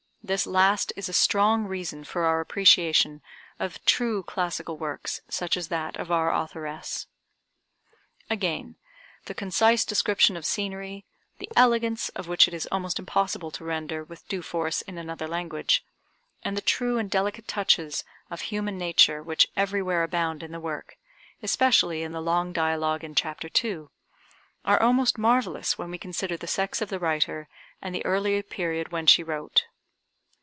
This last is a strong reason for our appreciation of true classical works such as that of our authoress. Again, the concise description of scenery, the elegance of which it is almost impossible to render with due force in another language, and the true and delicate touches of human nature which everywhere abound in the work, especially in the long dialogue in Chapter II, are almost marvellous when we consider the sex of the writer, and the early period when she wrote.